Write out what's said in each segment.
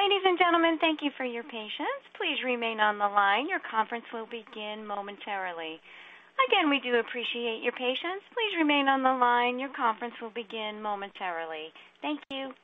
Ladies and gentlemen, thank you for your patience. Please remain on the line. Your conference will begin momentarily. Again, we do appreciate your patience. Please remain on the line. Your conference will begin momentarily. Thank you.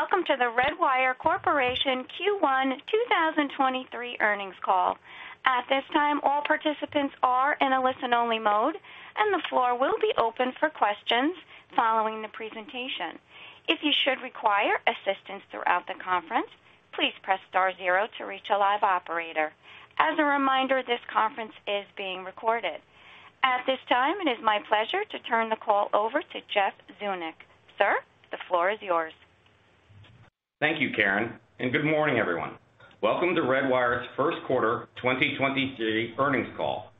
Greetings, and welcome to the Redwire Corporation Q1 2023 earnings call. At this time, all participants are in a listen-only mode, and the floor will be open for questions following the presentation. If you should require assistance throughout the conference, please Press Star zero to reach a live operator. As a reminder, this conference is being recorded. At this time, it is my pleasure to turn the call over to Jeff Zeunik. Sir, the floor is yours. Thank you, Karen. Good morning, everyone. Welcome to Redwire's first quarter 2023 earnings call.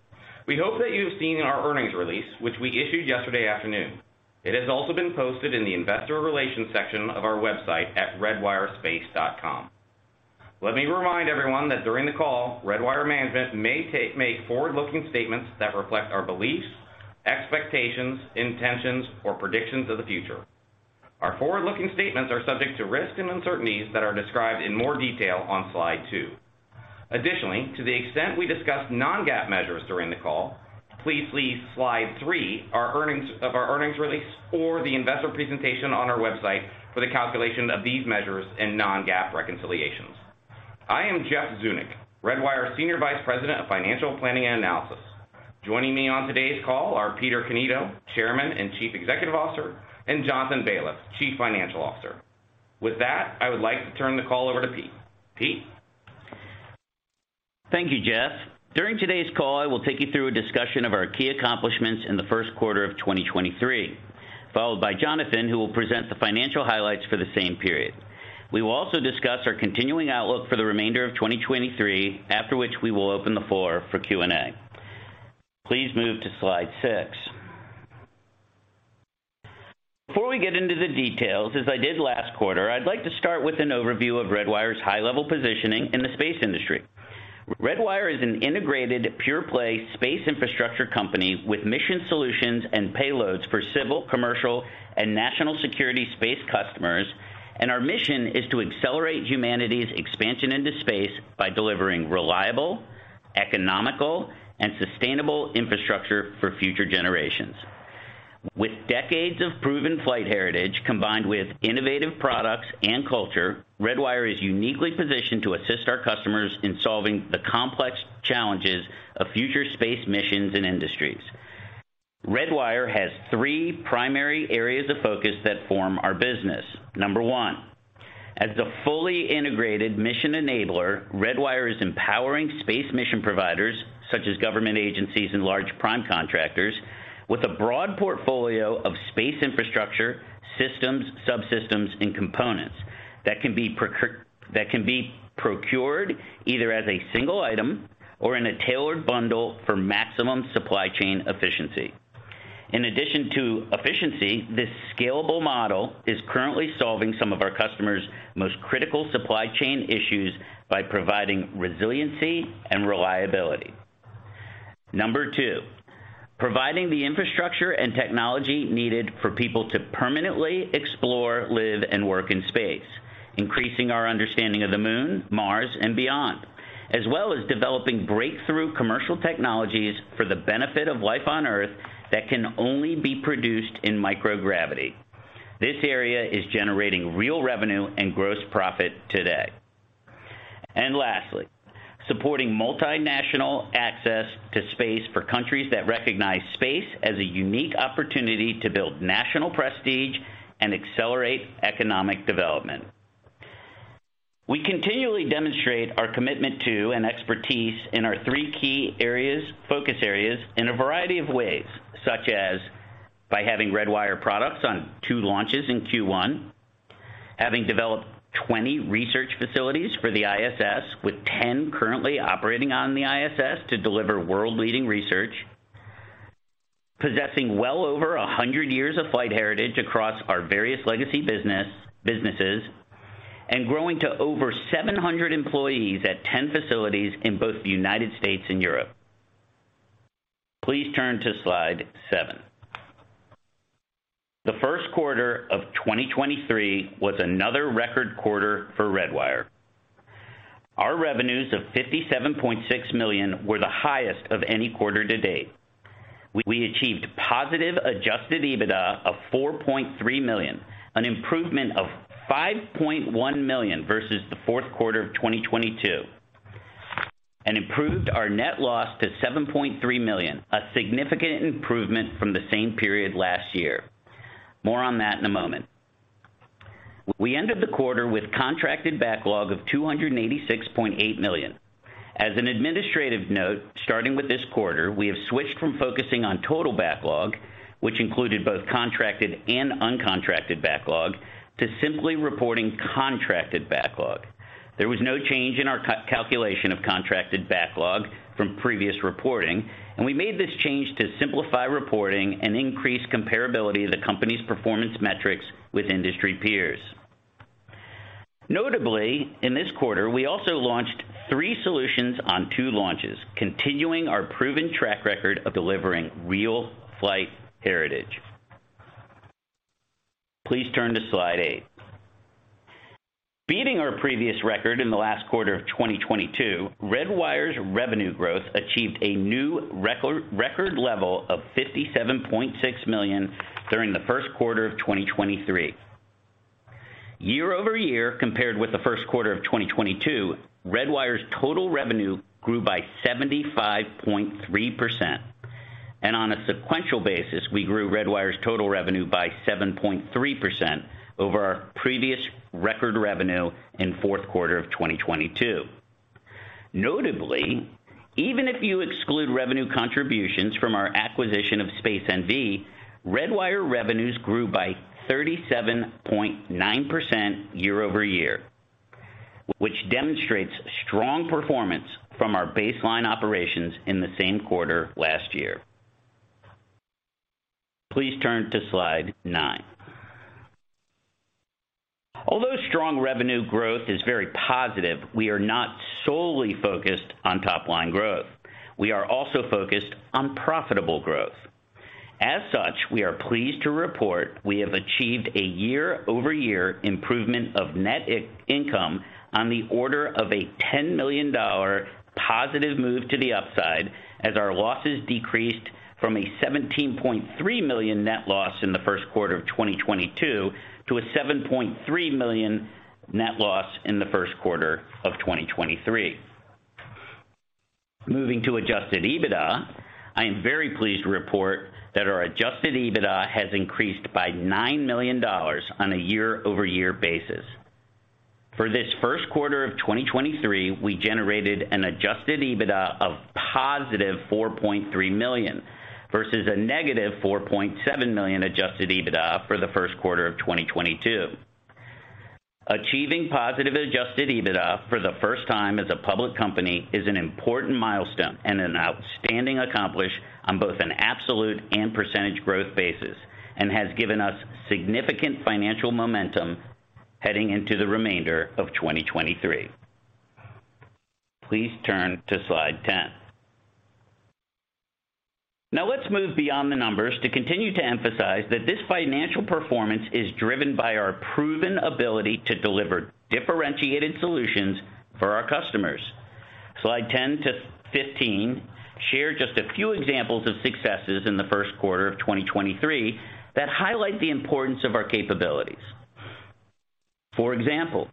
We hope that you have seen our earnings release, which we issued yesterday afternoon. It has also been posted in the investor relations section of our website at redwirespace.com. Let me remind everyone that during the call, Redwire management may make forward-looking statements that reflect our beliefs, expectations, intentions, or predictions of the future. Our forward-looking statements are subject to risks and uncertainties that are described in more detail on slide two. Additionally, to the extent we discuss non-GAAP measures during the call, please see slide three of our earnings release or the investor presentation on our website for the calculation of these measures and non-GAAP reconciliations. I am Jeff Zeunik, Redwire's Senior Vice President of Financial Planning and Analysis. Joining me on today's call are Peter Cannito, Chairman and Chief Executive Officer, and Jonathan Baliff, Chief Financial Officer. With that, I would like to turn the call over to Pete. Pete? Thank you, Jeff. During today's call, I will take you through a discussion of our key accomplishments in the first quarter of 2023, followed by Jonathan, who will present the financial highlights for the same period. We will also discuss our continuing outlook for the remainder of 2023, after which we will open the floor for Q&A. Please move to slide 6. Before we get into the details, as I did last quarter, I'd like to start with an overview of Redwire's high-level positioning in the space industry. Redwire is an integrated pure-play space infrastructure company with mission solutions and payloads for civil, commercial, and national security space customers. Our mission is to accelerate humanity's expansion into space by delivering reliable, economical, and sustainable infrastructure for future generations. With decades of proven flight heritage combined with innovative products and culture, Redwire is uniquely positioned to assist our customers in solving the complex challenges of future space missions and industries. Redwire has three primary areas of focus that form our business. Number one, as a fully integrated mission enabler, Redwire is empowering space mission providers such as government agencies and large prime contractors with a broad portfolio of space infrastructure, systems, subsystems, and components that can be procured either as a single item or in a tailored bundle for maximum supply chain efficiency. In addition to efficiency, this scalable model is currently solving some of our customers' most critical supply chain issues by providing resiliency and reliability. Number two, providing the infrastructure and technology needed for people to permanently explore, live, and work in space, increasing our understanding of the Moon, Mars, and beyond, as well as developing breakthrough commercial technologies for the benefit of life on Earth that can only be produced in microgravity. This area is generating real revenue and gross profit today. Lastly, supporting multinational access to space for countries that recognize space as a unique opportunity to build national prestige and accelerate economic development. We continually demonstrate our commitment to and expertise in our three key areas, focus areas in a variety of ways, such as by having Redwire products on two launches in Q1, having developed 20 research facilities for the ISS, with 10 currently operating on the ISS to deliver world-leading research, possessing well over 100 years of flight heritage across our various legacy businesses, and growing to over 700 employees at 10 facilities in both the United States and Europe. Please turn to slide 7. The first quarter of 2023 was another record quarter for Redwire. Our revenues of $57.6 million were the highest of any quarter to date. We achieved positive Adjusted EBITDA of $4.3 million, an improvement of $5.1 million versus the fourth quarter of 2022, and improved our net loss to $7.3 million, a significant improvement from the same period last year. More on that in a moment. We ended the quarter with contracted backlog of $286.8 million. As an administrative note, starting with this quarter, we have switched from focusing on total backlog, which included both contracted and uncontracted backlog, to simply reporting contracted backlog. There was no change in our calculation of contracted backlog from previous reporting. We made this change to simplify reporting and increase comparability of the company's performance metrics with industry peers. Notably, in this quarter, we also launched three solutions on two launches, continuing our proven track record of delivering real flight heritage. Please turn to slide eight. Beating our previous record in the last quarter of 2022, Redwire's revenue growth achieved a new record level of $57.6 million during the first quarter of 2023. Year-over-year, compared with the first quarter of 2022, Redwire's total revenue grew by 75.3%. On a sequential basis, we grew Redwire's total revenue by 7.3% over our previous record revenue in fourth quarter of 2022. Notably, even if you exclude revenue contributions from our acquisition of Space NV, Redwire revenues grew by 37.9% year-over-year, which demonstrates strong performance from our baseline operations in the same quarter last year. Please turn to slide nine. Strong revenue growth is very positive, we are not solely focused on top-line growth. We are also focused on profitable growth. We are pleased to report we have achieved a year-over-year improvement of net income on the order of a $10 million positive move to the upside as our losses decreased from a $17.3 million net loss in the first quarter of 2022 to a $7.3 million net loss in the first quarter of 2023. Moving to Adjusted EBITDA, I am very pleased to report that our Adjusted EBITDA has increased by $9 million on a year-over-year basis. For this first quarter of 2023, we generated an Adjusted EBITDA of positive $4.3 million versus a negative $4.7 million Adjusted EBITDA for the first quarter of 2022. Achieving positive Adjusted EBITDA for the first time as a public company is an important milestone and an outstanding accomplishment on both an absolute and % growth basis and has given us significant financial momentum heading into the remainder of 2023. Please turn to slide 10. Now let's move beyond the numbers to continue to emphasize that this financial performance is driven by our proven ability to deliver differentiated solutions for our customers. Slide 10 -15 share just a few examples of successes in the first quarter of 2023 that highlight the importance of our capabilities. For example,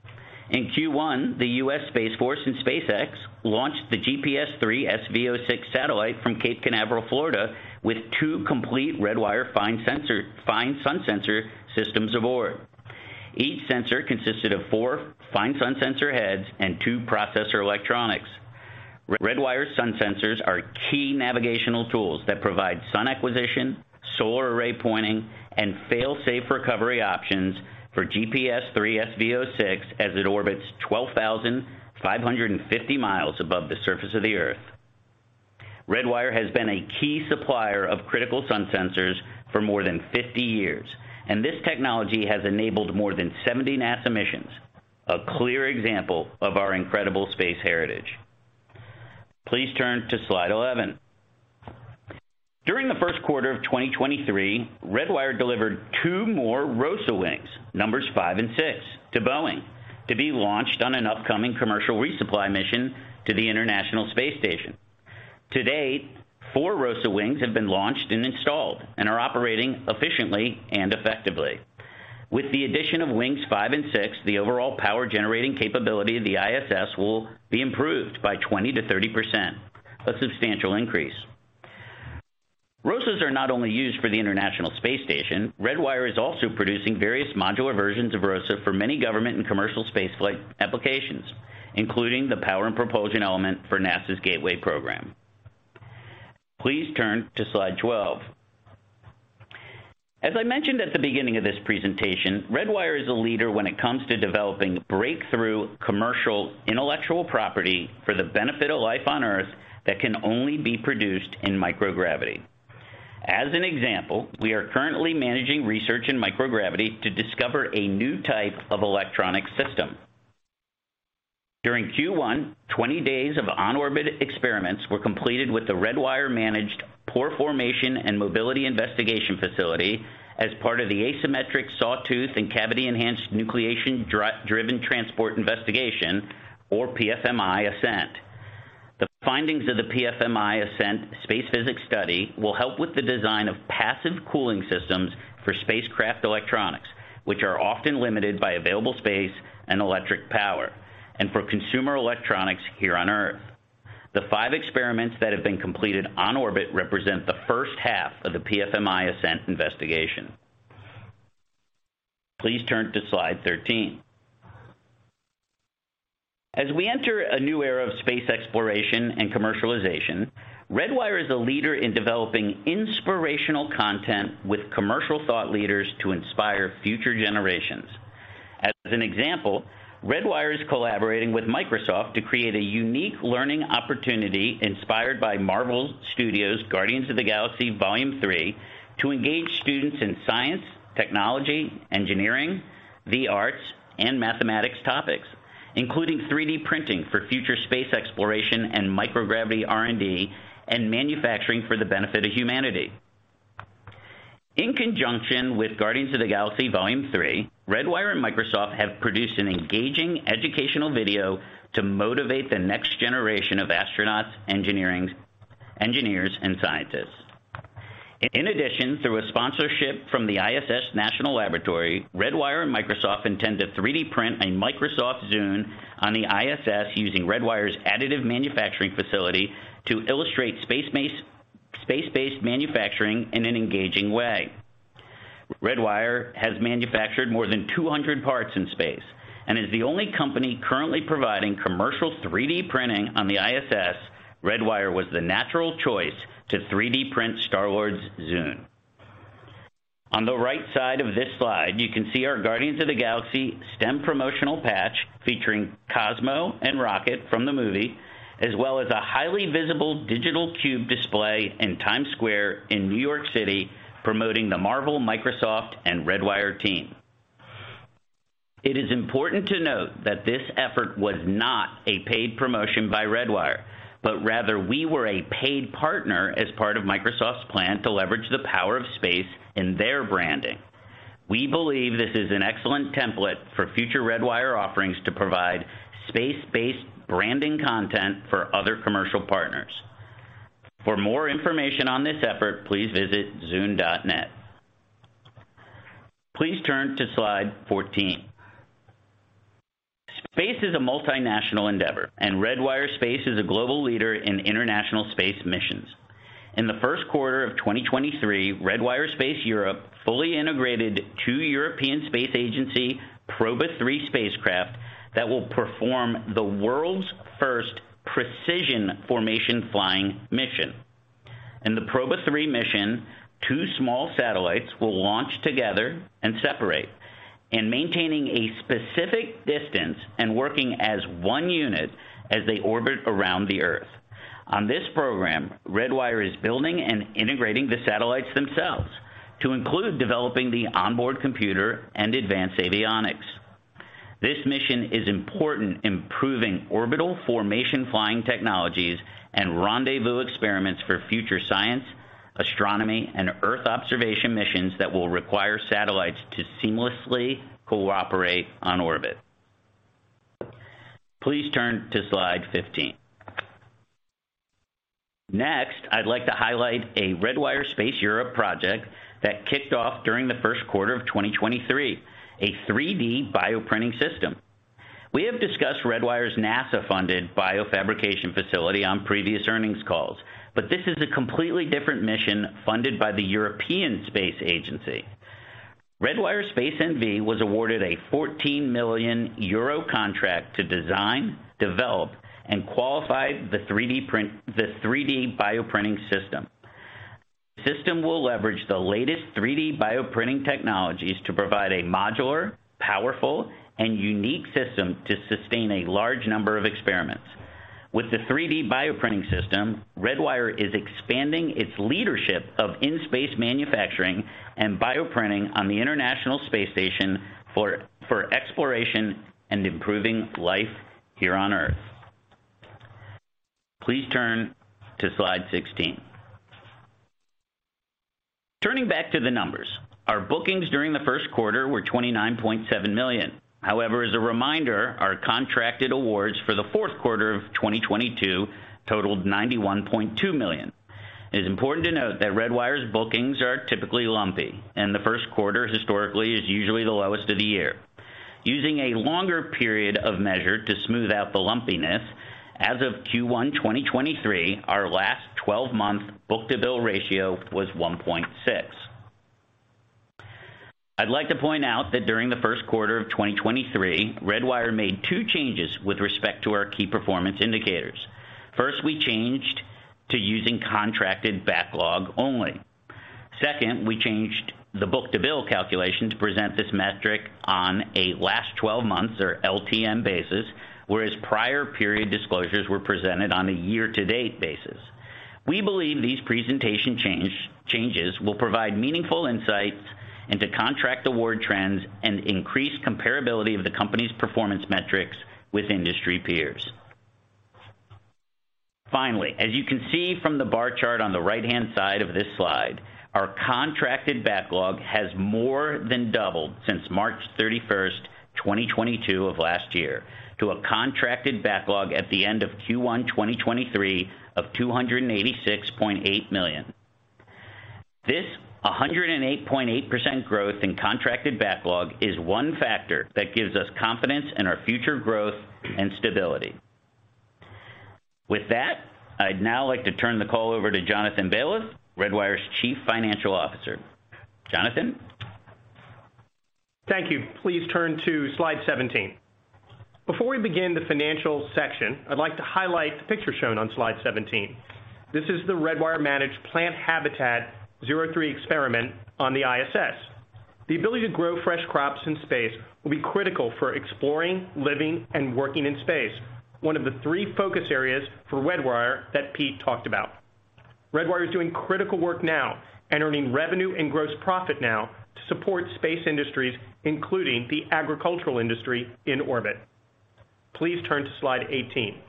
in Q1, the U.S. Space Force and SpaceX launched the GPS III SV06 satellite from Cape Canaveral, Florida, with two complete Redwire Fine Sun Sensor systems aboard. Each sensor consisted of four Fine Sun Sensor heads and two processor electronics. Redwire sun sensors are key navigational tools that provide sun acquisition, solar array pointing, and fail-safe recovery options for GPS III SV06 as it orbits 12,550 miles above the surface of the Earth. Redwire has been a key supplier of critical sun sensors for more than 50 years. This technology has enabled more than 70 NASA missions, a clear example of our incredible space heritage. Please turn to slide 11. During the first quarter of 2023, Redwire delivered two more ROSA wings, numbers five and six, to Boeing to be launched on an upcoming commercial resupply mission to the International Space Station. To date, four ROSA wings have been launched and installed and are operating efficiently and effectively. With the addition of wings five and six, the overall power-generating capability of the ISS will be improved by 20%-30%, a substantial increase. ROSAs are not only used for the International Space Station, Redwire is also producing various modular versions of ROSA for many government and commercial space flight applications, including the Power and Propulsion Element for NASA's Gateway program. Please turn to slide 12. As I mentioned at the beginning of this presentation, Redwire is a leader when it comes to developing breakthrough commercial intellectual property for the benefit of life on Earth that can only be produced in microgravity. As an example, we are currently managing research in microgravity to discover a new type of electronic system. During Q1, 20 days of on-orbit experiments were completed with the Redwire managed Pore Formation and Mobility Investigation facility as part of the Asymmetric Sawtooth and Cavity-Enhanced Nucleation-Driven Transport investigation, or PFMI-ASCENT. The findings of the PFMI-ASCENT space physics study will help with the design of passive cooling systems for spacecraft electronics, which are often limited by available space and electric power, and for consumer electronics here on Earth. The 5 experiments that have been completed on orbit represent the first half of the PFMI-ASCENT investigation. Please turn to slide 13. We enter a new era of space exploration and commercialization, Redwire is a leader in developing inspirational content with commercial thought leaders to inspire future generations. An example, Redwire is collaborating with Microsoft to create a unique learning opportunity inspired by Marvel Studios' Guardians of the Galaxy Vol. three to engage students in science, technology, engineering, the arts, and mathematics topics, including 3D printing for future space exploration and microgravity R&D and manufacturing for the benefit of humanity. In conjunction with Guardians of the Galaxy Vol. three, Redwire and Microsoft have produced an engaging educational video to motivate the next generation of astronauts, engineers and scientists. In addition, through a sponsorship from the ISS National Laboratory, Redwire and Microsoft intend to 3D print a Microsoft Zune on the ISS using Redwire's Additive Manufacturing Facility to illustrate space-based manufacturing in an engaging way. Redwire has manufactured more than 200 parts in space and is the only company currently providing commercial 3D printing on the ISS. Redwire was the natural choice to 3D print Star-Lord's Zune. On the right side of this slide, you can see our Guardians of the Galaxy STEM promotional patch featuring Cosmo and Rocket from the movie, as well as a highly visible digital cube display in Times Square in New York City promoting the Marvel, Microsoft, and Redwire team. It is important to note that this effort was not a paid promotion by Redwire, but rather we were a paid partner as part of Microsoft's plan to leverage the power of space in their branding. We believe this is an excellent template for future Redwire offerings to provide space-based branding content for other commercial partners. For more information on this effort, please visit zune.net. Please turn to slide 14. Space is a multinational endeavor, and Redwire Space is a global leader in international space missions. In the first quarter of 2023, Redwire Space Europe fully integrated two European Space Agency PROBA-III spacecraft that will perform the world's first precision formation flying mission. In the PROBA-III mission, two small satellites will launch together and separate in maintaining a specific distance and working as one unit as they orbit around the Earth. On this program, Redwire is building and integrating the satellites themselves to include developing the onboard computer and advanced avionics. This mission is important improving orbital formation, flying technologies, and rendezvous experiments for future science, astronomy, and Earth observation missions that will require satellites to seamlessly cooperate on orbit. Please turn to slide 15. I'd like to highlight a Redwire Space Europe project that kicked off during the first quarter of 2023, a 3D bioprinting system. We have discussed Redwire's NASA-funded BioFabrication Facility on previous earnings calls, this is a completely different mission funded by the European Space Agency. Redwire Space NV was awarded a 14 million euro contract to design, develop, and qualify the 3D bioprinting system. The system will leverage the latest 3D bioprinting technologies to provide a modular, powerful, and unique system to sustain a large number of experiments. With the 3D bioprinting system, Redwire is expanding its leadership of in-space manufacturing and bioprinting on the International Space Station for exploration and improving life here on Earth. Please turn to slide 16. Turning back to the numbers. Our bookings during the first quarter were $29.7 million. As a reminder, our contracted awards for Q4 2022 totaled $91.2 million. It is important to note that Redwire's bookings are typically lumpy, and the first quarter historically is usually the lowest of the year. Using a longer period of measure to smooth out the lumpiness, as of Q1 2023, our last twelve-month book-to-bill ratio was 1.6. I'd like to point out that during Q1 2023, Redwire made two changes with respect to our key performance indicators. First, we changed to using contracted backlog only. We changed the book-to-bill calculation to present this metric on a last 12 months, or LTM basis, whereas prior period disclosures were presented on a year-to-date basis. We believe these presentation changes will provide meaningful insights into contract award trends and increase comparability of the company's performance metrics with industry peers. As you can see from the bar chart on the right-hand side of this slide, our contracted backlog has more than doubled since March 31, 2022 of last year to a contracted backlog at the end of Q1 2023 of $286.8 million. This 108.8% growth in contracted backlog is one factor that gives us confidence in our future growth and stability. With that, I'd now like to turn the call over to Jonathan Baliff, Redwire's Chief Financial Officer. Jonathan. Thank you. Please turn to slide 17. Before we begin the financial section, I'd like to highlight the picture shown on slide 17. This is the Redwire managed Plant Habitat-03 experiment on the ISS. The ability to grow fresh crops in space will be critical for exploring, living, and working in space. One of the three focus areas for Redwire that Pete talked about. Redwire is doing critical work now and earning revenue and gross profit now to support space industries, including the agricultural industry in orbit. Please turn to slide 18.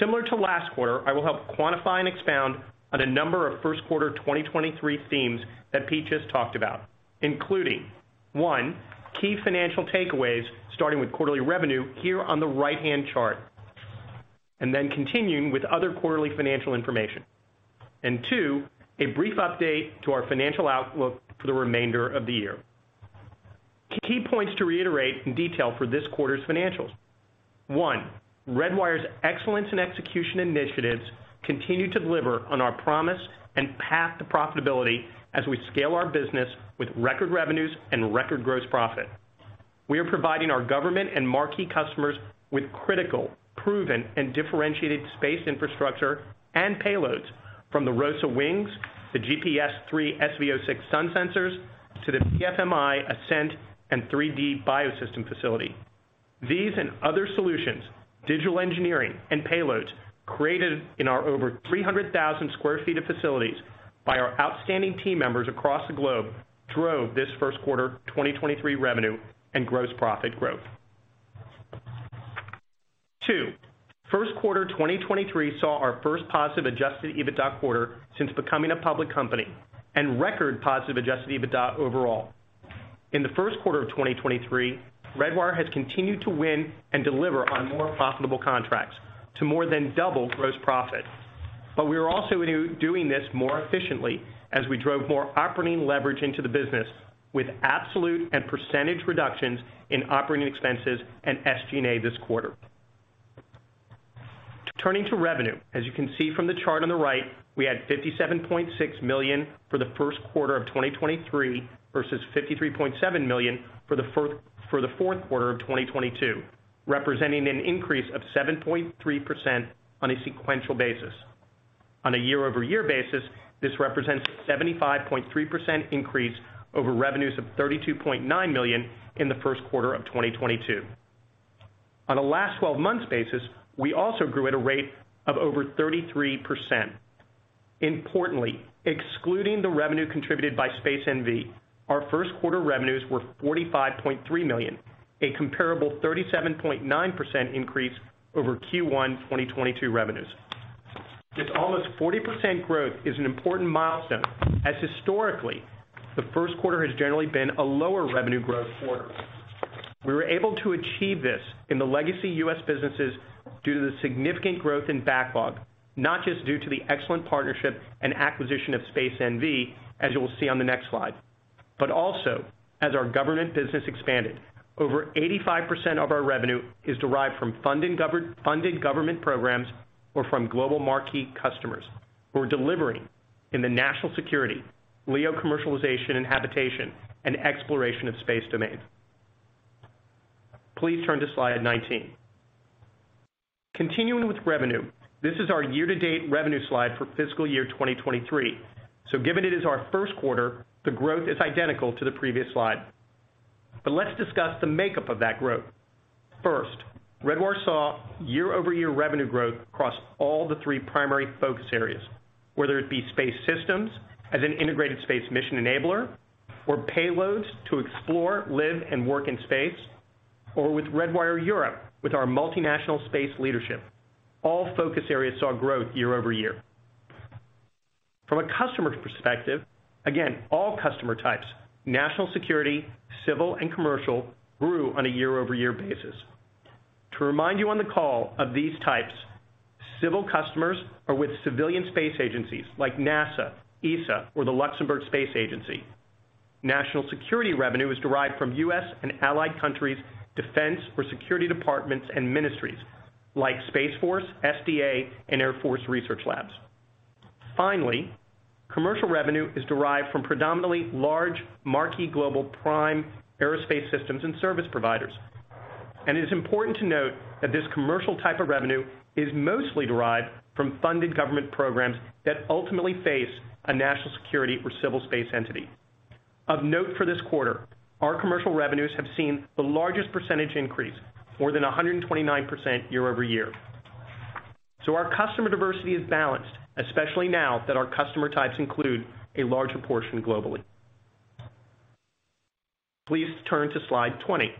Similar to last quarter, I will help quantify and expound on a number of first quarter 2023 themes that Pete just talked about, including, one, key financial takeaways, starting with quarterly revenue here on the right-hand chart, and then continuing with other quarterly financial information. Two, a brief update to our financial outlook for the remainder of the year. Key points to reiterate in detail for this quarter's financials. One, Redwire's excellence and execution initiatives continue to deliver on our promise and path to profitability as we scale our business with record revenues and record gross profit. We are providing our government and marquee customers with critical, proven, and differentiated space infrastructure and payloads from the ROSA Wings, the GPS III SV06 sun sensors, to the PFMI-ASCENT and 3D-BioSystem Facility. These and other solutions, digital engineering and payloads created in our over 300,000 sq ft of facilities by our outstanding team members across the globe drove this first quarter 2023 revenue and gross profit growth. Two, first quarter 2023 saw our first positive Adjusted EBITDA quarter since becoming a public company and record positive Adjusted EBITDA overall. In the first quarter of 2023, Redwire has continued to win and deliver on more profitable contracts to more than double gross profit. We are also doing this more efficiently as we drove more operating leverage into the business with absolute and percentage reductions in operating expenses and SG&A this quarter. Turning to revenue, as you can see from the chart on the right, we had $57.6 million for the first quarter of 2023 versus $53.7 million for the fourth quarter of 2022, representing an increase of 7.3% on a sequential basis. On a year-over-year basis, this represents 75.3% increase over revenues of $32.9 million in the first quarter of 2022. On a last twelve months basis, we also grew at a rate of over 33%. Excluding the revenue contributed by Space NV, our first quarter revenues were $45.3 million, a comparable 37.9% increase over Q1 2022 revenues. This almost 40% growth is an important milestone as historically, the first quarter has generally been a lower revenue growth quarter. We were able to achieve this in the legacy U.S. businesses due to the significant growth in backlog, not just due to the excellent partnership and acquisition of Space NV, as you will see on the next slide, but also as our government business expanded. Over 85% of our revenue is derived from funded government programs or from global marquee customers. We're delivering in the national security, LEO commercialization and habitation, and exploration of space domains. Please turn to slide 19. Continuing with revenue, this is our year-to-date revenue slide for fiscal year 2023. Given it is our first quarter, the growth is identical to the previous slide. Let's discuss the makeup of that growth. First, Redwire saw year-over-year revenue growth across all the three primary focus areas, whether it be space systems as an integrated space mission enabler, or payloads to explore, live, and work in space, or with Redwire Europe, with our multinational space leadership. All focus areas saw growth year-over-year. From a customer perspective, again, all customer types, national security, civil, and commercial, grew on a year-over-year basis. To remind you on the call of these types, civil customers are with civilian space agencies like NASA, ESA, or the Luxembourg Space Agency. National security revenue is derived from U.S. and allied countries, defense or security departments and ministries like Space Force, SDA, and Air Force Research Laboratory. Commercial revenue is derived from predominantly large, marquee global prime aerospace systems and service providers. It is important to note that this commercial type of revenue is mostly derived from funded government programs that ultimately face a national security or civil space entity. Of note for this quarter, our commercial revenues have seen the largest percentage increase, more than 129% year-over-year. Our customer diversity is balanced, especially now that our customer types include a larger portion globally. Please turn to slide 20.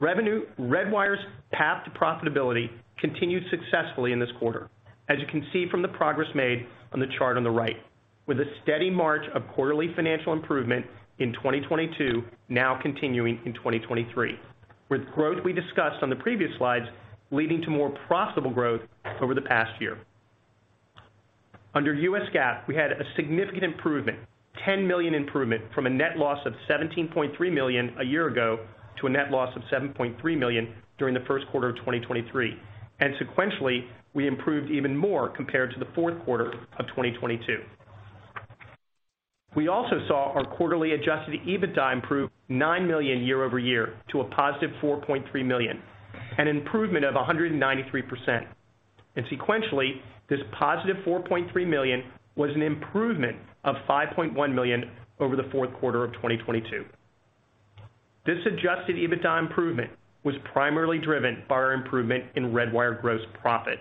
Redwire's path to profitability continued successfully in this quarter, as you can see from the progress made on the chart on the right, with a steady march of quarterly financial improvement in 2022 now continuing in 2023, with growth we discussed on the previous slides leading to more profitable growth over the past year. Under U.S. GAAP, we had a significant improvement, $10 million improvement from a net loss of $17.3 million a year ago to a net loss of $7.3 million during the first quarter of 2023. Sequentially, we improved even more compared to the fourth quarter of 2022. We also saw our quarterly Adjusted EBITDA improve $9 million year-over-year to a positive $4.3 million, an improvement of 193%. Sequentially, this positive $4.3 million was an improvement of $5.1 million over the fourth quarter of 2022. This Adjusted EBITDA improvement was primarily driven by our improvement in Redwire gross profit.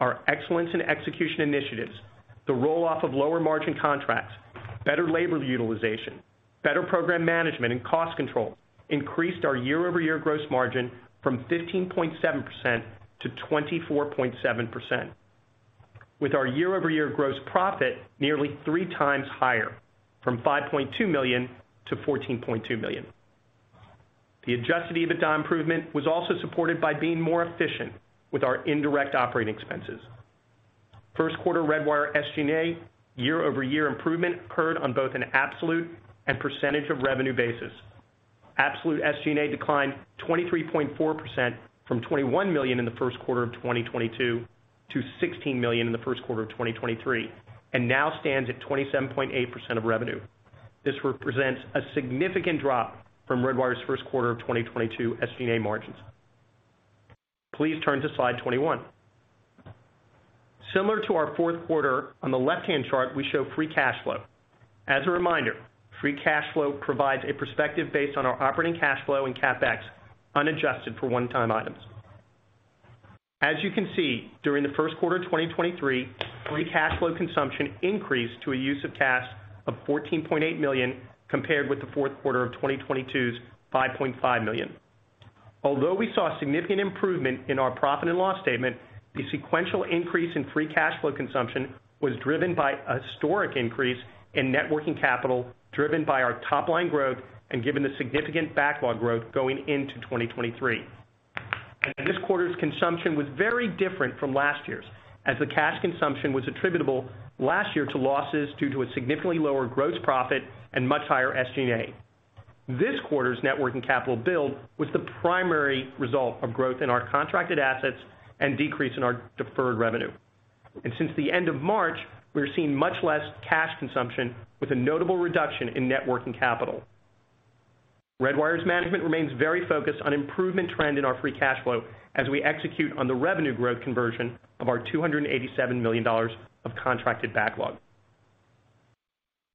Our excellence in execution initiatives, the roll-off of lower margin contracts, better labor utilization, better program management and cost control increased our year-over-year gross margin from 15.7% to 24.7%, with our year-over-year gross profit nearly 3x higher from $5.2 million to $14.2 million. The Adjusted EBITDA improvement was also supported by being more efficient with our indirect operating expenses. First quarter Redwire SG&A year-over-year improvement occurred on both an absolute and % of revenue basis. Absolute SG&A declined 23.4% from $21 million in the first quarter of 2022 to $16 million in the first quarter of 2023, and now stands at 27.8% of revenue. This represents a significant drop from Redwire's first quarter of 2022 SG&A margins. Please turn to slide 21. Similar to our fourth quarter, on the left-hand chart, we show free cash flow. As a reminder, free cash flow provides a perspective based on our operating cash flow and CapEx, unadjusted for one-time items. As you can see, during the first quarter of 2023, free cash flow consumption increased to a use of cash of $14.8 million compared with the fourth quarter of 2022's $5.5 million. Although we saw significant improvement in our profit and loss statement, the sequential increase in free cash flow consumption was driven by a historic increase in net working capital driven by our top-line growth and given the significant backlog growth going into 2023. This quarter's consumption was very different from last year's, as the cash consumption was attributable last year to losses due to a significantly lower gross profit and much higher SG&A. This quarter's net working capital build was the primary result of growth in our contracted assets and decrease in our deferred revenue. Since the end of March, we are seeing much less cash consumption with a notable reduction in net working capital. Redwire's management remains very focused on improvement trend in our free cash flow as we execute on the revenue growth conversion of our $287 million of contracted backlog.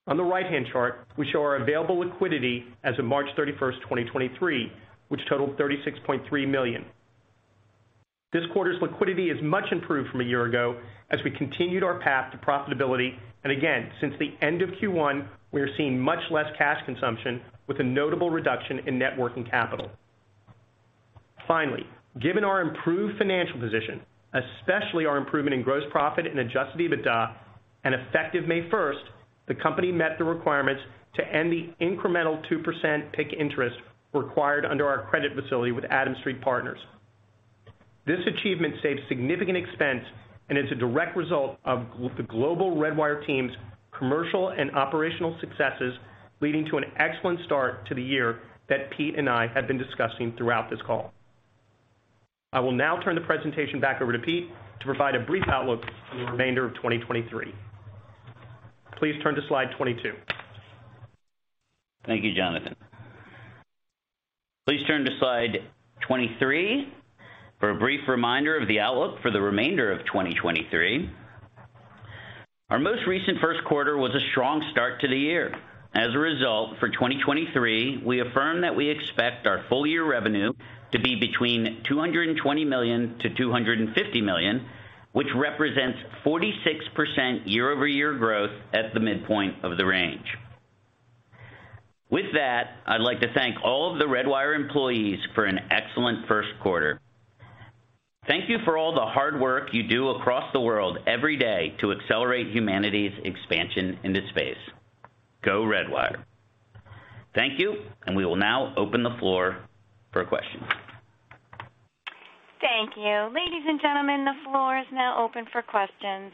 On the right-hand chart, we show our available liquidity as of March 31, 2023, which totaled $36.3 million. This quarter's liquidity is much improved from a year ago as we continued our path to profitability. Again, since the end of Q1, we are seeing much less cash consumption with a notable reduction in net working capital. Finally, given our improved financial position, especially our improvement in gross profit and Adjusted EBITDA, and effective May first, the company met the requirements to end the incremental 2% PIK interest required under our credit facility with Adams Street Partners. This achievement saves significant expense and is a direct result of the global Redwire team's commercial and operational successes leading to an excellent start to the year that Pete and I have been discussing throughout this call. I will now turn the presentation back over to Pete to provide a brief outlook for the remainder of 2023. Please turn to slide 22. Thank you, Jonathan. Please turn to slide 23 for a brief reminder of the outlook for the remainder of 2023. Our most recent first quarter was a strong start to the year. As a result, for 2023, we affirm that we expect our full year revenue to be between $220 million to $250 million, which represents 46% year-over-year growth at the midpoint of the range. With that, I'd like to thank all of the Redwire employees for an excellent first quarter. Thank you for all the hard work you do across the world every day to accelerate humanity's expansion into space. Go, Redwire. Thank you. We will now open the floor for questions. Thank you. Ladies and gentlemen, the floor is now open for questions.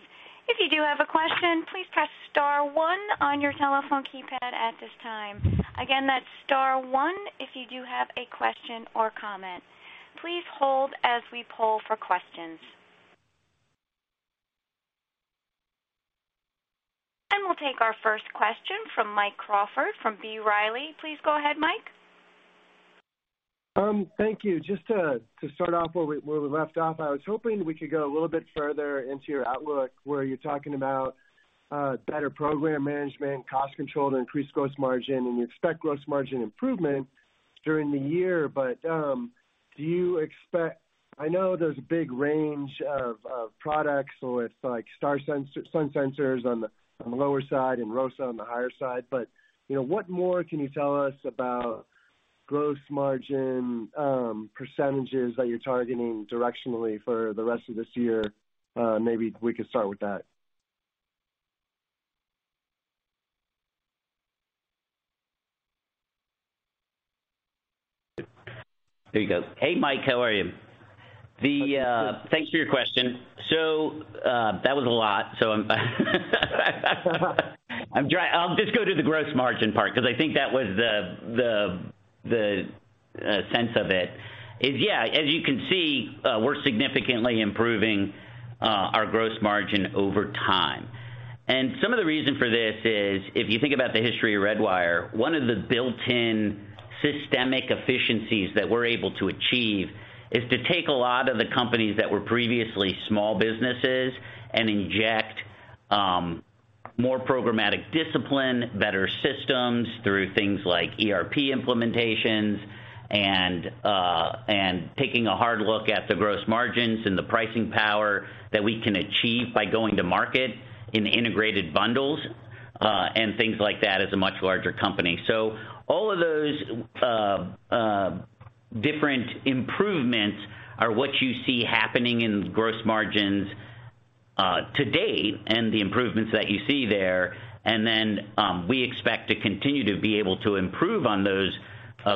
If you do have a question, please press star one on your telephone keypad at this time. Again, that's star one if you do have a question or comment. Please hold as we poll for questions. We'll take our first question from Mike Crawford from B. Riley. Please go ahead, Mike. Thank you. Just to start off where we left off, I was hoping we could go a little bit further into your outlook, where you're talking about better program management, cost control to increase gross margin, and you expect gross margin improvement during the year. Do you expect, I know there's a big range of products with like Fine Sun Sensor on the lower side and ROSA on the higher side, but, you know, what more can you tell us about gross margin percentages that you're targeting directionally for the rest of this year? Maybe we could start with that. There you go. Hey, Mike, how are you? Thanks for your question. That was a lot, I'll just go to the gross margin part because I think that was the sense of it. As you can see, we're significantly improving our gross margin over time. Some of the reason for this is, if you think about the history of Redwire, one of the built-in systemic efficiencies that we're able to achieve is to take a lot of the companies that were previously small businesses and inject more programmatic discipline, better systems through things like ERP implementations and taking a hard look at the gross margins and the pricing power that we can achieve by going to market in integrated bundles and things like that as a much larger company. All of those different improvements are what you see happening in gross margins to date and the improvements that you see there. We expect to continue to be able to improve on those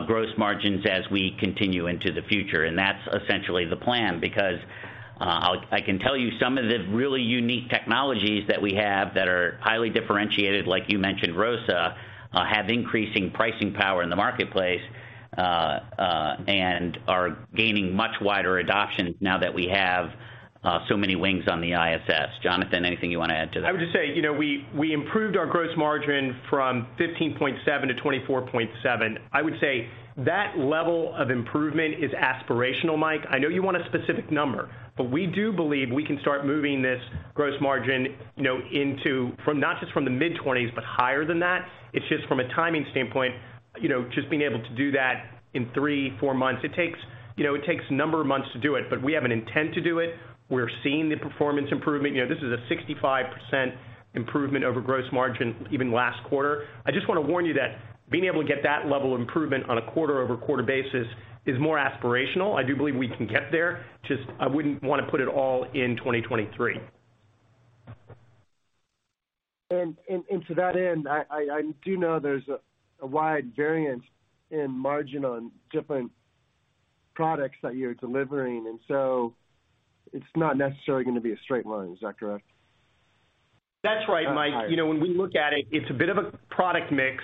gross margins as we continue into the future. That's essentially the plan. I can tell you some of the really unique technologies that we have that are highly differentiated, like you mentioned, ROSA, have increasing pricing power in the marketplace and are gaining much wider adoption now that we have so many wings on the ISS. Jonathan, anything you wanna add to that? I would just say, you know, we improved our gross margin from 15.7% to 24.7%. I would say that level of improvement is aspirational, Mike. I know you want a specific number, but we do believe we can start moving this gross margin, you know, from not just from the mid-20s, but higher than that. It's just from a timing standpoint, you know, just being able to do that in three, four months. It takes, you know, a number of months to do it, but we have an intent to do it. We're seeing the performance improvement. You know, this is a 65% improvement over gross margin, even last quarter. I just wanna warn you that being able to get that level of improvement on a quarter-over-quarter basis is more aspirational. I do believe we can get there. Just, I wouldn't wanna put it all in 2023. To that end, I do know there's a wide variance in margin on different products that you're delivering, and so it's not necessarily gonna be a straight line. Is that correct? That's right, Mike. All right. You know, when we look at it's a bit of a product mix.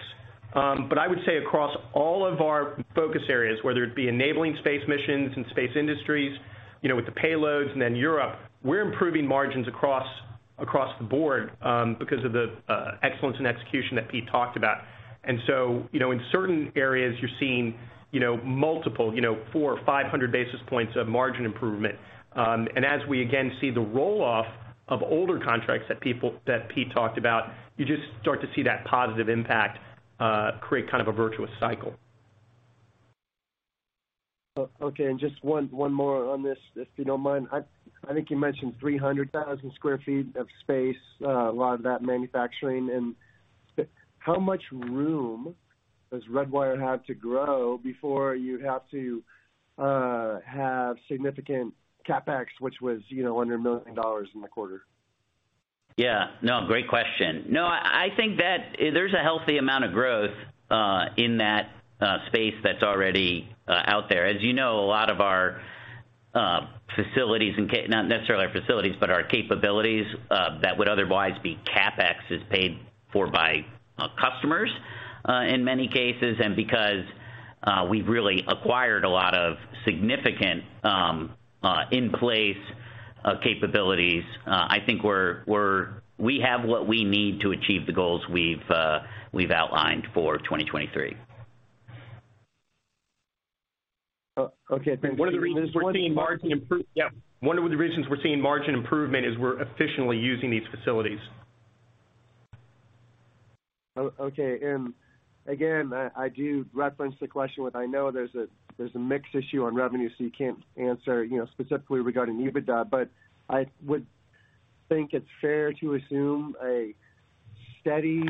But I would say across all of our focus areas, whether it be enabling space missions and space industries, you know, with the payloads, and then Europe, we're improving margins across the board, because of the excellence in execution that Pete talked about. You know, in certain areas, you're seeing, you know, multiple, you know, 400 or 500 basis points of margin improvement. And as we again see the roll-off of older contracts that Pete talked about, you just start to see that positive impact, create kind of a virtuous cycle. Okay. Just one more on this, if you don't mind. I think you mentioned 300,000 sq ft of space, a lot of that manufacturing. How much room does Redwire have to grow before you have to have significant CapEx, which was, you know, under $1 million in the quarter? Yeah. No, great question. No, I think that there's a healthy amount of growth in that space that's already out there. As you know, a lot of our facilities and not necessarily our facilities, but our capabilities that would otherwise be CapEx is paid for by customers in many cases. Because we've really acquired a lot of significant in-place capabilities, I think we have what we need to achieve the goals we've outlined for 2023. Okay. Thank you. One of the reasons we're seeing margin. Just one- Yeah. One of the reasons we're seeing margin improvement is we're efficiently using these facilities. Okay. Again, I do reference the question with I know there's a mix issue on revenue, so you can't answer, you know, specifically regarding EBITDA. I would think it's fair to assume a steady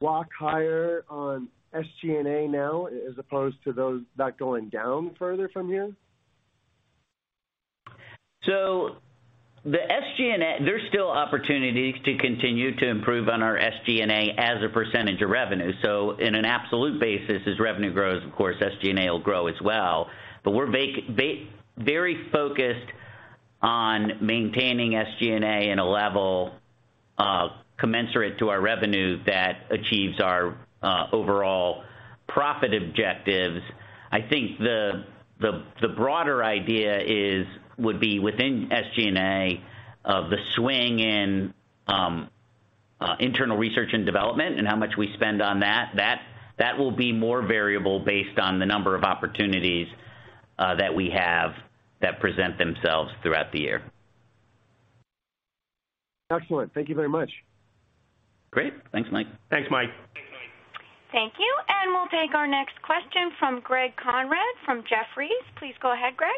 walk higher on SG&A now as opposed to those not going down further from here. The SG&A. There's still opportunities to continue to improve on our SG&A as a percentage of revenue. In an absolute basis, as revenue grows, of course, SG&A will grow as well. We're very focused on maintaining SG&A in a level commensurate to our revenue that achieves our overall profit objectives. I think the broader idea would be within SG&A of the swing in internal research and development and how much we spend on that will be more variable based on the number of opportunities that we have that present themselves throughout the year. Excellent. Thank you very much. Great. Thanks, Mike. Thanks, Mike. Thank you. We'll take our next question from Greg Konrad from Jefferies. Please go ahead, Greg.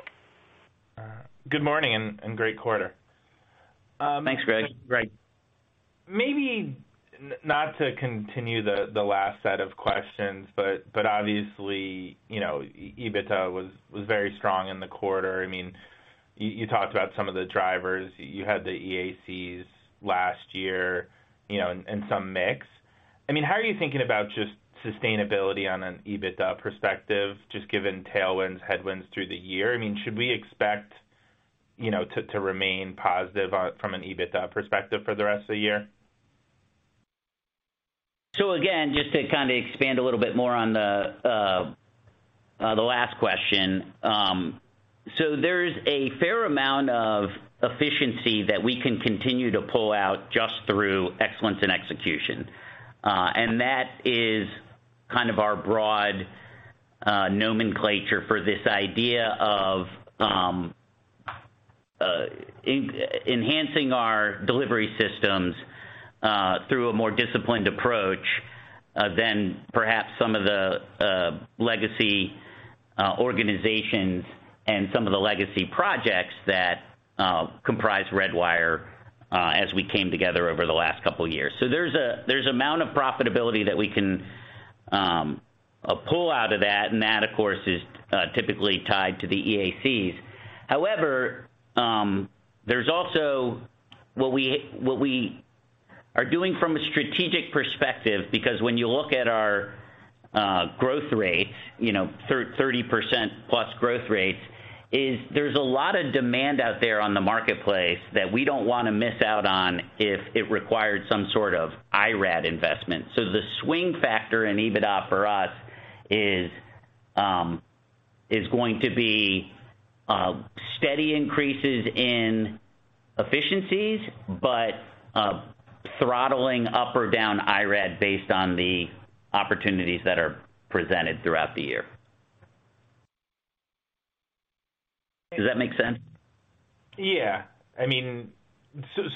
Good morning and great quarter. Thanks, Greg. Greg. Maybe not to continue the last set of questions, but obviously, you know, EBITDA was very strong in the quarter. I mean, you talked about some of the drivers. You had the EACs last year, you know, and some mix. I mean, how are you thinking about just sustainability on an EBITDA perspective, just given tailwinds, headwinds through the year? I mean, should we expect, you know, to remain positive from an EBITDA perspective for the rest of the year? Again, just to kinda expand a little bit more on the last question. There's a fair amount of efficiency that we can continue to pull out just through excellence and execution. That is kind of our broad nomenclature for this idea of e-enhancing our delivery systems through a more disciplined approach than perhaps some of the legacy organizations and some of the legacy projects that comprise Redwire as we came together over the last couple years. There's a, there's amount of profitability that we can pull out of that, and that, of course, is typically tied to the EACs. There's also what we are doing from a strategic perspective, because when you look at our growth rate, you know, 30% plus growth rates, is there's a lot of demand out there on the marketplace that we don't wanna miss out on if it required some sort of IRAD investment. The swing factor in EBITDA for us is going to be steady increases in efficiencies, but throttling up or down IRAD based on the opportunities that are presented throughout the year. Does that make sense? Yeah. I mean,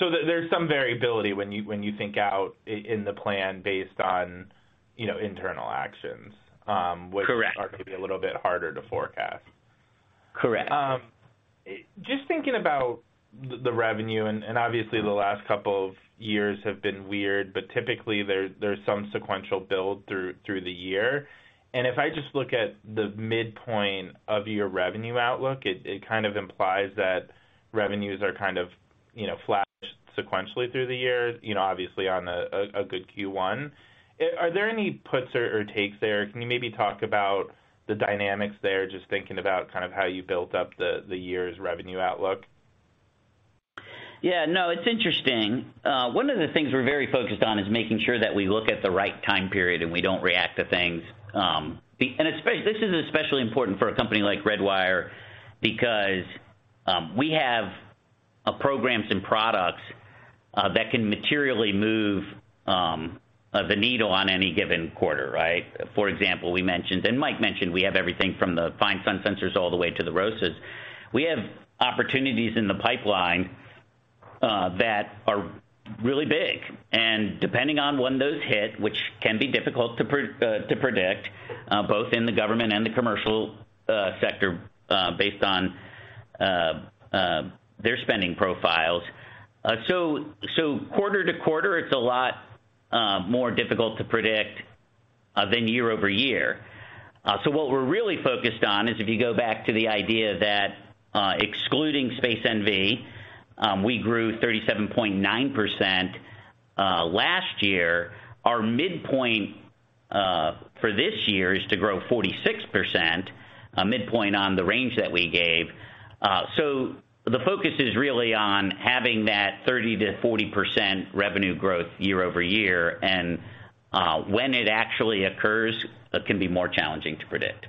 there's some variability when you think out in the plan based on, you know, internal actions. Correct which are gonna be a little bit harder to forecast. Correct. Just thinking about the revenue and obviously the last couple of years have been weird, but typically there's some sequential build through the year. If I just look at the midpoint of your revenue outlook, it kind of implies that revenues are kind of, you know, flash sequentially through the year, you know, obviously on a good Q1. Are there any puts or takes there? Can you maybe talk about the dynamics there, just thinking about kind of how you built up the year's revenue outlook? Yeah, no, it's interesting. One of the things we're very focused on is making sure that we look at the right time period, and we don't react to things. This is especially important for a company like Redwire because we have programs and products that can materially move the needle on any given quarter, right? For example, we mentioned, and Mike mentioned, we have everything from the Fine Sun Sensors all the way to the ROSAs. We have opportunities in the pipeline that are really big, and depending on when those hit, which can be difficult to predict, both in the government and the commercial sector, based on their spending profiles. Quarter to quarter, it's a lot more difficult to predict than year-over-year. What we're really focused on is if you go back to the idea that excluding Space NV, we grew 37.9% last year. Our midpoint for this year is to grow 46% midpoint on the range that we gave. The focus is really on having that 30%-40% revenue growth year-over-year, and when it actually occurs, that can be more challenging to predict.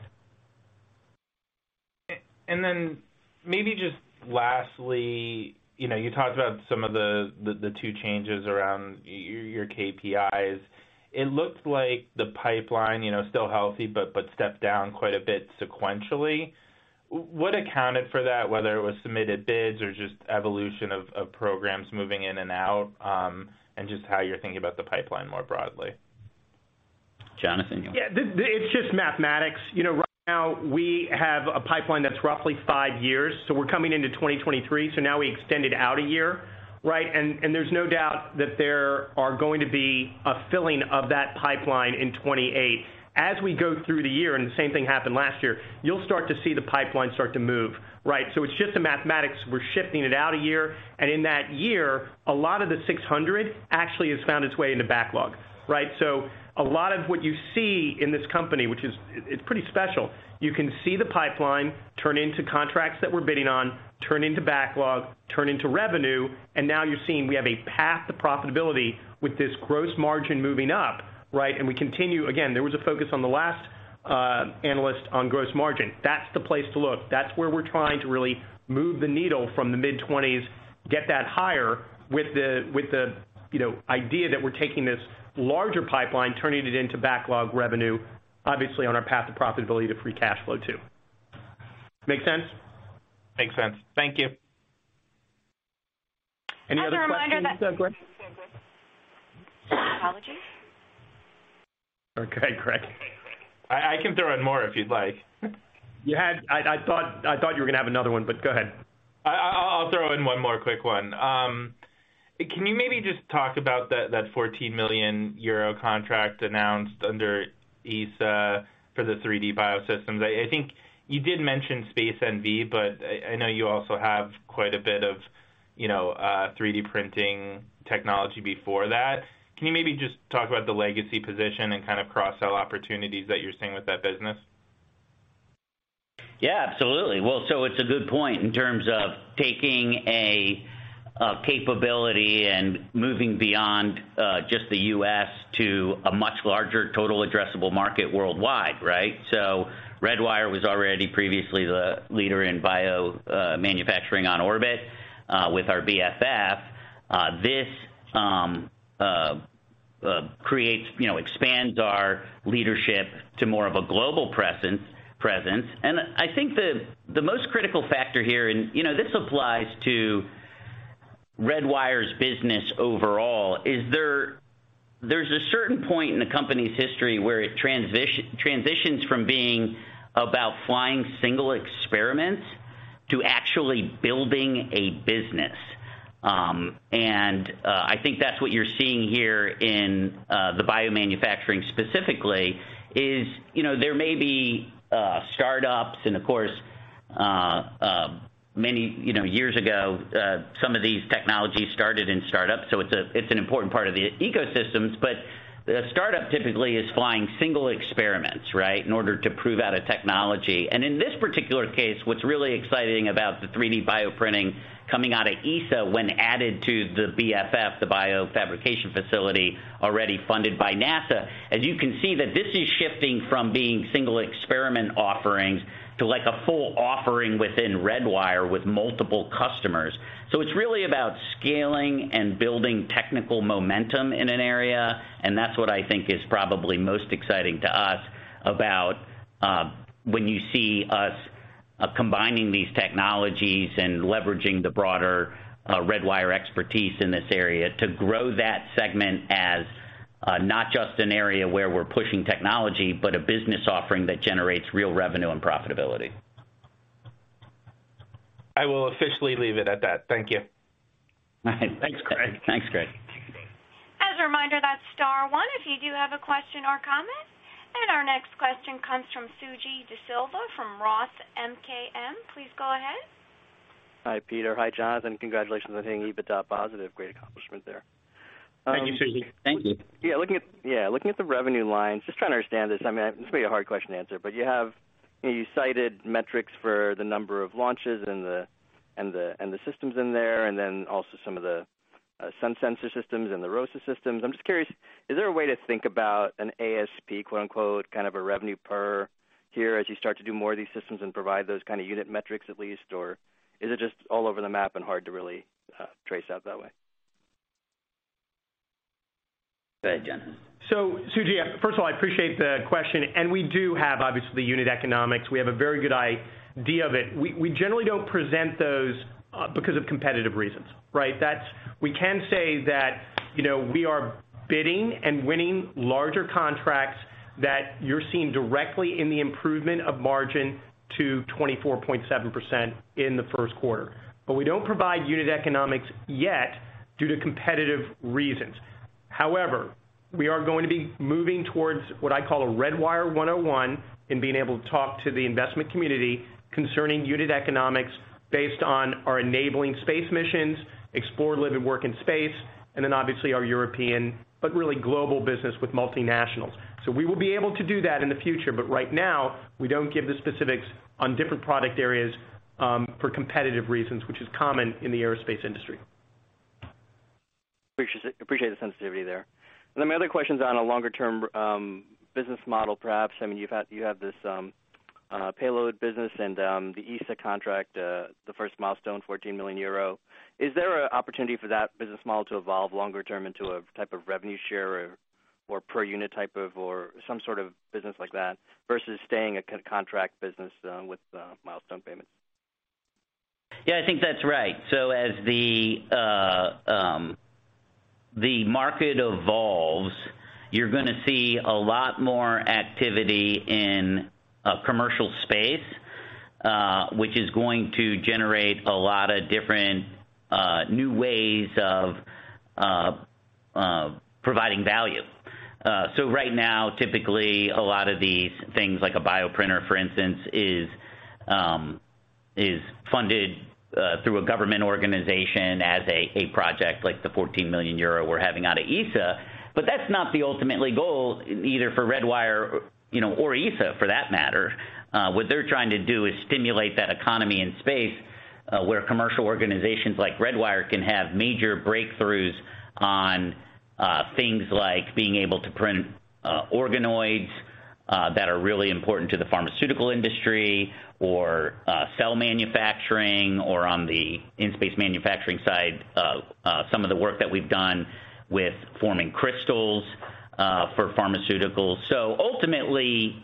Then maybe just lastly, you know, you talked about some of the two changes around your KPIs. It looked like the pipeline, you know, is still healthy, but stepped down quite a bit sequentially. What accounted for that, whether it was submitted bids or just evolution of programs moving in and out, and just how you're thinking about the pipeline more broadly? Jonathan? Yeah. It's just mathematics. You know, right now we have a pipeline that's roughly 5 years, so we're coming into 2023, so now we extended out a year, right? There's no doubt that there are going to be a filling of that pipeline in 2028. As we go through the year, and the same thing happened last year, you'll start to see the pipeline start to move, right? It's just the mathematics. We're shifting it out a year, and in that year, a lot of the 600 actually has found its way into backlog, right? A lot of what you see in this company, which is, it's pretty special. You can see the pipeline turn into contracts that we're bidding on, turn into backlog, turn into revenue. Now you're seeing we have a path to profitability with this gross margin moving up, right? We continue. Again, there was a focus on the last analyst on gross margin. That's the place to look. That's where we're trying to really move the needle from the mid-20s, get that higher with the, with the, you know, idea that we're taking this larger pipeline, turning it into backlog revenue, obviously on our path to profitability to free cash flow too. Make sense? Makes sense. Thank you. Any other questions, Greg? Apologies. Okay, great. I can throw in more if you'd like. I thought you were gonna have another one, go ahead. I'll throw in one more quick one. Can you maybe just talk about that 14 million euro contract announced under ESA for the 3D Biosystems? I think you did mention Space NV, but I know you also have quite a bit of, you know, 3D printing technology before that. Can you maybe just talk about the legacy position and kind of cross-sell opportunities that you're seeing with that business? Absolutely. Well, it's a good point in terms of taking a capability and moving beyond just the U.S. to a much larger total addressable market worldwide, right? Redwire was already previously the leader in bio manufacturing on orbit with our BFF. This creates, you know, expands our leadership to more of a global presence. I think the most critical factor here and, you know, this applies to Redwire's business overall is there's a certain point in a company's history where it transitions from being about flying single experiments to actually building a business. I think that's what you're seeing here in the biomanufacturing specifically, is, you know, there may be startups and of course, many, you know, years ago, some of these technologies started in startups, so it's an important part of the ecosystems. A startup typically is flying single experiments, right? In order to prove out a technology. In this particular case, what's really exciting about the 3D bioprinting coming out of ESA when added to the BFF, the BioFabrication Facility already funded by NASA. As you can see that this is shifting from being single experiment offerings to like a full offering within Redwire with multiple customers. It's really about scaling and building technical momentum in an area, and that's what I think is probably most exciting to us about, when you see us, combining these technologies and leveraging the broader, Redwire expertise in this area to grow that segment as, not just an area where we're pushing technology, but a business offering that generates real revenue and profitability. I will officially leave it at that. Thank you. Thanks, Greg. Thanks, Greg. As a reminder, that's star one if you do have a question or comment. Our next question comes from Suji Desilva from ROTH MKM. Please go ahead. Hi, Peter. Hi, Jonathan. Congratulations on hitting EBITDA positive. Great accomplishment there. Thank you, Suji. Thank you. Looking at the revenue lines, just trying to understand this. I mean, this may be a hard question to answer, but you have. You cited metrics for the number of launches and the systems in there, and then also some of the sun sensor systems and the ROSA systems. I'm just curious, is there a way to think about an ASP, quote-unquote, kind of a revenue per here as you start to do more of these systems and provide those kind of unit metrics at least? Or is it just all over the map and hard to really trace out that way? Go ahead, John. Suji, first of all, I appreciate the question. We do have obviously unit economics. We have a very good idea of it. We generally don't present those because of competitive reasons, right? We can say that, you know, we are bidding and winning larger contracts that you're seeing directly in the improvement of margin to 24.7% in the first quarter. We don't provide unit economics yet due to competitive reasons. However, we are going to be moving towards what I call a Redwire 101 in being able to talk to the investment community concerning unit economics based on our enabling space missions, explore live and work in space, and then obviously our European, but really global business with multinationals. We will be able to do that in the future, but right now, we don't give the specifics on different product areas, for competitive reasons, which is common in the aerospace industry. Appreciate the sensitivity there. My other question's on a longer term, business model, perhaps. I mean, you have this payload business and the ESA contract, the first milestone, 14 million euro. Is there a opportunity for that business model to evolve longer term into a type of revenue share or per unit type of, or some sort of business like that, versus staying a contract business with milestone payments? Yeah, I think that's right. As the market evolves, you're gonna see a lot more activity in commercial space, which is going to generate a lot of different new ways of providing value. Right now, typically, a lot of these things like a bioprinter, for instance, is funded through a government organization as a project like the 14 million euro we're having out of ESA. That's not the ultimately goal either for Redwire, you know, or ESA for that matter. What they're trying to do is stimulate that economy in space, where commercial organizations like Redwire can have major breakthroughs on things like being able to print organoids that are really important to the pharmaceutical industry or cell manufacturing or on the in-space manufacturing side, some of the work that we've done with forming crystals for pharmaceuticals. Ultimately,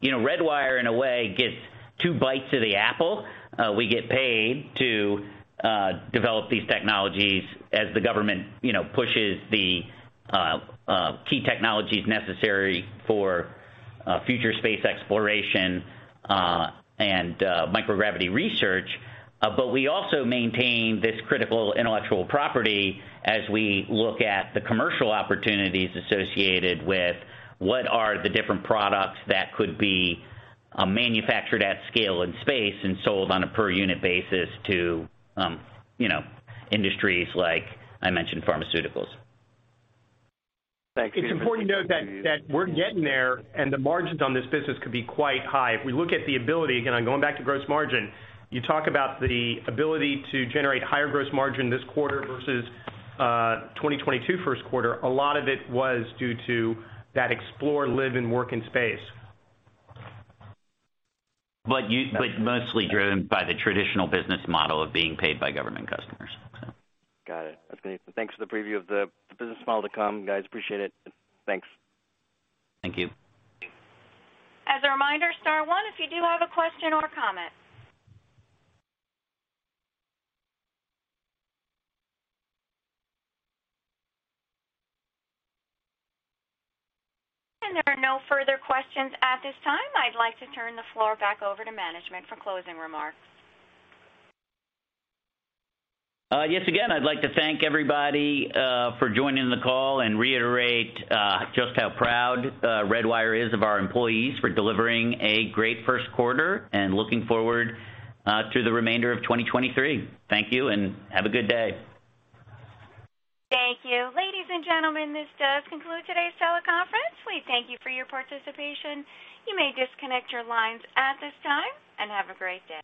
you know, Redwire, in a way, gets two bites of the apple. We get paid to develop these technologies as the government, you know, pushes the key technologies necessary for future space exploration and microgravity research. We also maintain this critical intellectual property as we look at the commercial opportunities associated with what are the different products that could be manufactured at scale in space and sold on a per unit basis to, you know, industries like I mentioned, pharmaceuticals. It's important to note that we're getting there, and the margins on this business could be quite high. If we look at the ability, again, on going back to gross margin, you talk about the ability to generate higher gross margin this quarter versus 2022 first quarter. A lot of it was due to that explore, live, and work in space. mostly driven by the traditional business model of being paid by government customers, so. Got it. That's great. Thanks for the preview of the business model to come, guys. Appreciate it. Thanks. Thank you. As a reminder, star one if you do have a question or comment. There are no further questions at this time. I'd like to turn the floor back over to management for closing remarks. Yes. Again, I'd like to thank everybody for joining the call and reiterate just how proud Redwire is of our employees for delivering a great first quarter and looking forward to the remainder of 2023. Thank you, and have a good day. Thank you. Ladies and gentlemen, this does conclude today's teleconference. We thank you for your participation. You may disconnect your lines at this time, and have a great day.